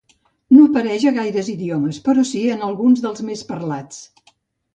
No apareix a gaires idiomes, però sí en alguns dels més parlats.